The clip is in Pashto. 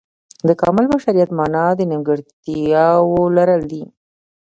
د کامل بشریت معنا د نیمګړتیاو لرل دي.